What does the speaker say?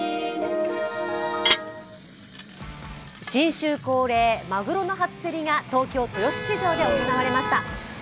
新春恒例、マグロの初競りが東京・豊洲市場で行われました。